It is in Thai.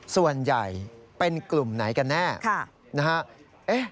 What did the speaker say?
ส่วนใหญ่เป็นกลุ่มไหนกันแน่นะฮะ